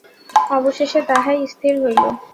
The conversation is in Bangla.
অবশেষে তাহাই স্থির হইল।